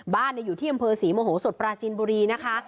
บ้านอยู่ที่อำเภอศรีมโหสดปราจินบุรีนะคะ